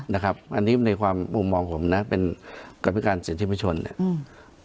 นะครับอันนี้ในความมุมมองผมนะเป็นกรรมิการเศรษฐีมชนเนี่ยอืม